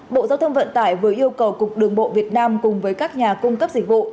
bộ giao thông vận tải vừa yêu cầu cục đường bộ việt nam cùng với các nhà cung cấp dịch vụ